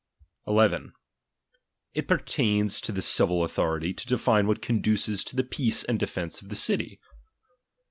II. It pertains to the civil authority, to define what conduces to the peace and defence of the city.